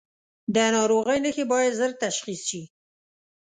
د ناروغۍ نښې باید ژر تشخیص شي.